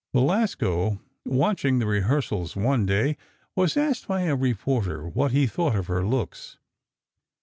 Belasco, watching the rehearsals one day, was asked by a reporter what he thought of her looks.